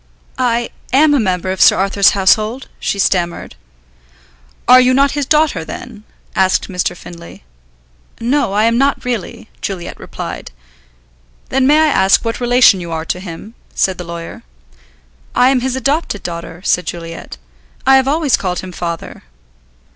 "I am a member of Sir Arthur's household," she stammered. "Are you not his daughter, then?" asked Mr. Findlay. "No, I am not really," Juliet replied. "Then may I ask what relation you are to him?" said the lawyer. "I am his adopted daughter," said Juliet. "I have always called him 'Father.'"